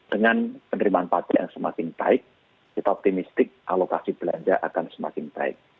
dengan penerimaan pajak yang semakin baik kita optimistik alokasi belanja akan semakin baik